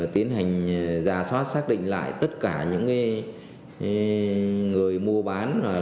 tiến hành giả soát xác định lại tất cả những người mua bán